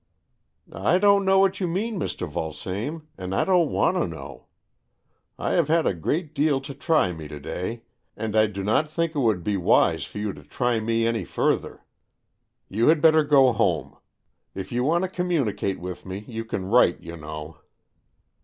" I don't know what you mean, Mr. Vul same, and I don't want to know. I have had a great deal to try me to day, and I do not think it would be wise for you to try me 189 190 AN EXCHANGE OF SOULS any further. You had better go home. If you want to communicate with me, you can write, you know.